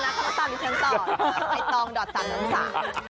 จะตามคุณชนะเขาจะตามอีกครั้งต่อไฟตองสามน้ำสา